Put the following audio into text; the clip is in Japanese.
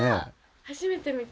初めて見た。